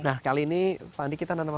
nah kali ini pak andi kita tanam apa pak